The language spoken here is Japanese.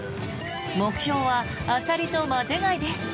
目標はアサリとマテガイです。